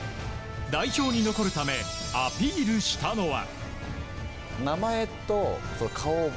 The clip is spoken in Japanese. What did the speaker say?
代表に残るためアピールしたのは。